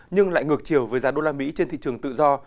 nhưng lại ngược chiều với giá đô la mỹ trên thị trường tự do